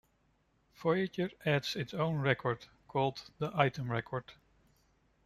Voyager adds its own record, called the 'Item Record'.